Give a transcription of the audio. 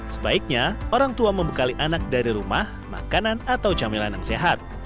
sebaiknya orang tua membekali anak dari rumah makanan atau camilan yang sehat